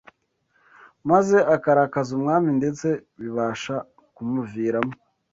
maze akarakaza umwami ndetse bibasha kumuviramo